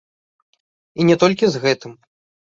І не толькі з гэтым.